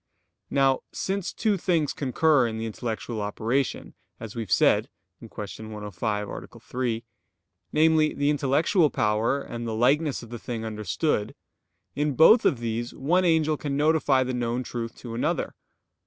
Now since two things concur in the intellectual operation, as we have said (Q. 105, A. 3), namely, the intellectual power, and the likeness of the thing understood; in both of these one angel can notify the known truth to another.